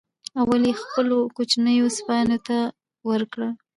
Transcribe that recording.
اول یې خپلو کوچنیو سپیانو ته ورکړه.